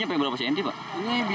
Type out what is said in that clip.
yang sering banjir